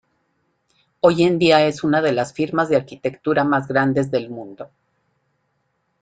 Hoy en día es una de las firmas de arquitectura más grandes del mundo.